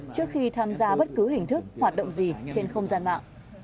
trước khi tham gia bất cứ hình thức hoạt động gì trên không gian mạng